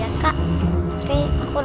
aduh aduh aduh